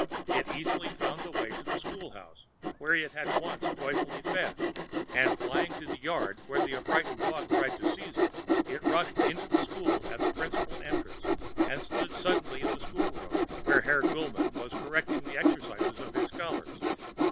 It easily found the way to the schoolhouse where it once joyfully fed, and flying to the yard, where the affrighted dog tried to seize it, it rushed into the school at the principal entrance, and stood suddenly in the schoolroom, where Herr Gulmann was correcting the exercises of his scholars.